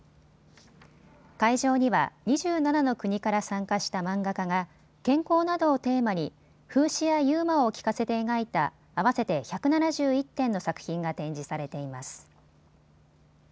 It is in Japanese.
会場には２７の国から参加した漫画家が健康などをテーマに風刺やユーモアを効かせて描いた合わせて１７１点の作品が展示されています。